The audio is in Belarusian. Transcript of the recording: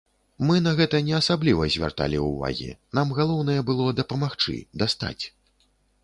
Мы на гэта не асабліва звярталі ўвагі, нам галоўнае было дапамагчы, дастаць.